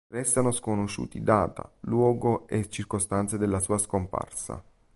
Restano sconosciuti data, luogo e circostanze della sua scomparsa.